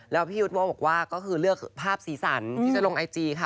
แล้วพี่ยุทธโว้บอกว่าก็คือเลือกภาพสีสันที่จะลงไอจีค่ะ